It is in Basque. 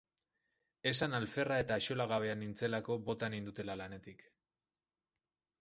Esan alferra eta axolagabea nintzelako bota nindutela lanetik.